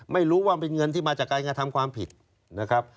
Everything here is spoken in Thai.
ไม่รู้ว่าเป็นเงินที่มาจากการกระทำความผิดนะครับ